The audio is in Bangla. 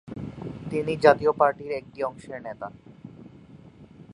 তিনি জাতীয় পার্টি র একটি অংশের নেতা।